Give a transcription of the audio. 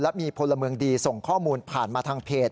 และมีพลเมืองดีส่งข้อมูลผ่านมาทางเพจ